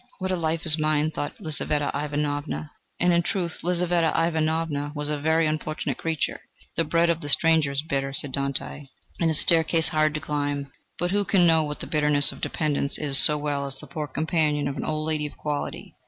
"What a life is mine!" thought Lizaveta Ivanovna. And, in truth, Lizaveta Ivanovna was a very unfortunate creature. "The bread of the stranger is bitter," says Dante, "and his staircase hard to climb." But who can know what the bitterness of dependence is so well as the poor companion of an old lady of quality?